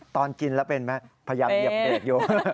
ตอนกินแล้วเป็นไหมพยายามเหยียบเบรกอยู่